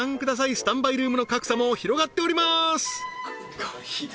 スタンバイルームの格差も広がっておりまーす